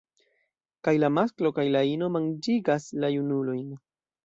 Kaj la masklo kaj la ino manĝigas la junulojn.